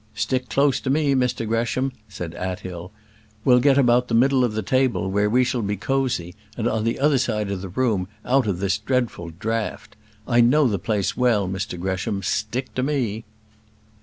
"Stick close to me, Mr Gresham," said Athill, "we'll get about the middle of the table, where we shall be cosy and on the other side of the room, out of this dreadful draught I know the place well, Mr Gresham; stick to me."